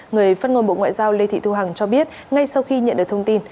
người phát ngôn bộ ngoại giao lê thị thu hằng cho biết ngay sau khi nhận được thông tin